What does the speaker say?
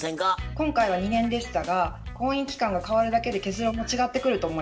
今回は２年でしたが婚姻期間が変わるだけで結論も違ってくると思います。